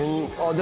で